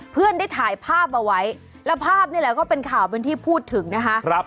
เพื่อนได้ถ่ายภาพเอาไว้แล้วภาพนี่แหละก็เป็นข่าวเป็นที่พูดถึงนะคะ